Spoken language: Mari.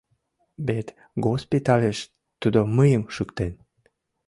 Вет госпитальыш тудо мыйым шуктен...